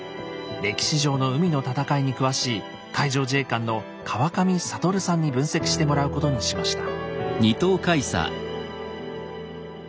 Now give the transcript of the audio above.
歴史上の海の戦いに詳しい海上自衛官の川上智さんに分析してもらうことにしました。